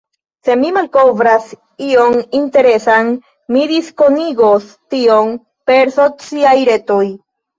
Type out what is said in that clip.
Se mi malkovras ion interesan, mi diskonigos tion per sociaj retoj.